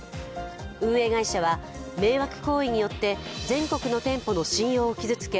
運営会社は迷惑行為によって全国の店舗の信用を傷つけ、